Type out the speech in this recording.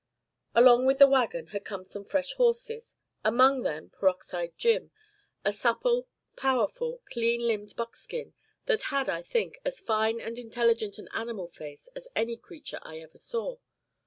Along with the wagon had come the fresh horses among them Peroxide Jim, a supple, powerful, clean limbed buckskin, that had, I think, as fine and intelligent an animal face as any creature I ever saw.